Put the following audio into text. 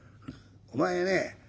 お前ね